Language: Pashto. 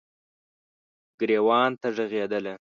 ګریوان ته ږغیدله